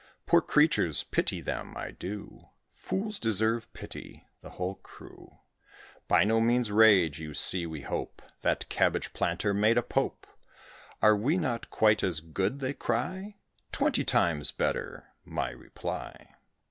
Poor creatures! Pity them, I do: Fools deserve pity the whole crew, By no means rage "You see, we hope; That cabbage planter made a Pope. Are we not quite as good?" they cry. "Twenty times better," my reply.